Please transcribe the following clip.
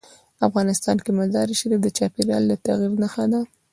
افغانستان کې مزارشریف د چاپېریال د تغیر نښه ده.